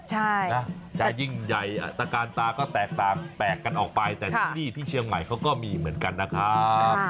ใช่นะจะยิ่งใหญ่อัตการตาก็แตกต่างแตกกันออกไปแต่ที่นี่ที่เชียงใหม่เขาก็มีเหมือนกันนะครับ